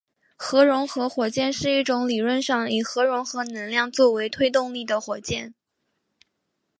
核融合火箭是一种理论上以核融合能量作为推动力的火箭。